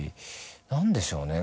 何でしょうね